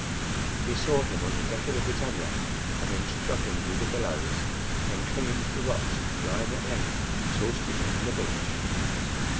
He saw him on the deck of the BRITANNIA, and then struggling with the billows, then clinging to the rocks, and lying at length exhausted on the beach.